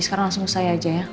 sekarang langsung saya aja ya